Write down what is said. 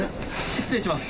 失礼します。